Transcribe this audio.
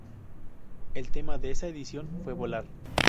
El tema de esa edición fue volar.